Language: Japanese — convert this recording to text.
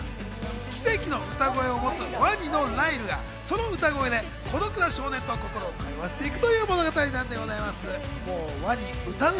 奇跡の歌声を持つワニのライルがその歌声で孤独な少年と心を通わせていくという物語なんでございます。